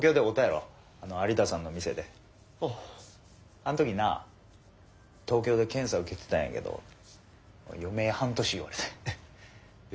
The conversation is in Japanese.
あん時な東京で検査受けてたんやけど余命半年言われてん。